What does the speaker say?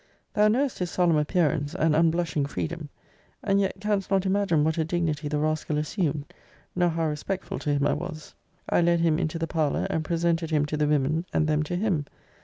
Thou knowest his solemn appearance, and unblushing freedom; and yet canst not imagine what a dignity the rascal assumed, nor how respectful to him I was. I led him into the parlour, and presented him to the women, and them to him.